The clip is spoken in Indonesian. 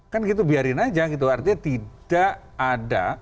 kan gitu biarin aja gitu artinya tidak ada